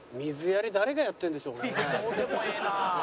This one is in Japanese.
「どうでもええな」